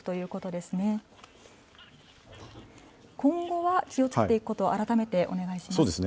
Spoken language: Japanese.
今後、気を付けていくこと、改めてお願いします。